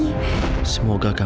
masih tahu fu